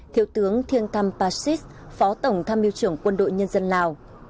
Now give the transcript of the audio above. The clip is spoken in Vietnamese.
thiếu tướng thiêng tham pachusev phó tổng tham miêu trưởng quân đội nhân dân lào